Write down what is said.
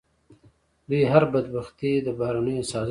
دوی هر بدبختي د بهرنیو سازش بولي.